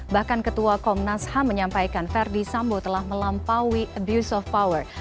bahkan ketua komnas ham menyampaikan ferdi sambo telah melampaui abuse of power